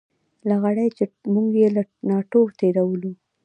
لغړی چې موږ یې له تاڼو تېرولو.